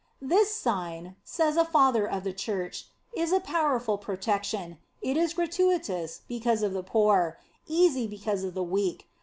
"This sign," says a Father of the Church, "is a powerful protection. It is gratuitous, because of the poor; easy, because of the weak.